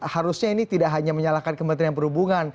harusnya ini tidak hanya menyalahkan kementerian perhubungan